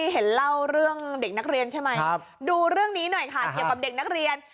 เห็นเล่าเรื่องเด็กนักเรียนใช่ไหมดูเรื่องนี้หน่อยค่ะเกี่ยวกับเด็กนักเรียน